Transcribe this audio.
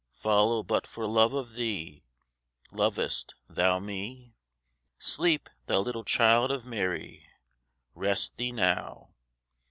Follow but for love of Thee. Lov'st Thou me? Sleep, Thou little Child of Mary, Rest Thee now.